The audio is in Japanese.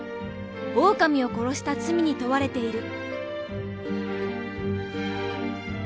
オオカミを殺した罪に問われている。